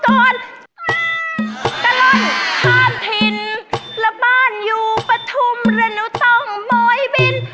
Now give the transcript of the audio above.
กะล้อนข้ามถิ่นแล้วบ้านอยู่ปะทุ่มแล้วนูต้องโมยบิน